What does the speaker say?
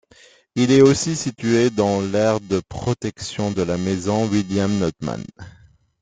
Il est aussi située dans l'aire de protection de la maison William-Notman.